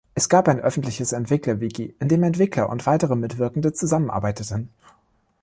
Es gab ein öffentliches Entwickler-Wiki, in dem Entwickler und weitere Mitwirkende zusammenarbeiteten.